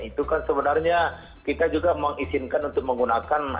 itu kan sebenarnya kita juga mengizinkan untuk menggunakan